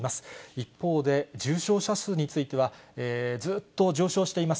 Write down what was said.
一方で、重症者数については、ずっと上昇しています。